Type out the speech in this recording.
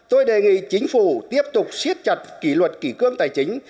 tôi đề nghị chính phủ tiếp tục siết chặt kỷ luật kỷ cương tài chính